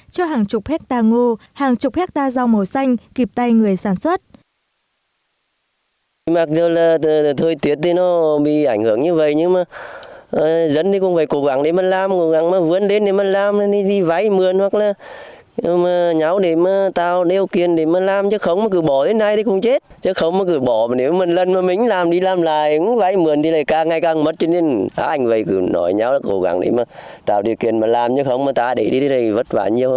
cho hàng chục hectare ngô hàng chục hectare rau màu xanh kịp tay người sản xuất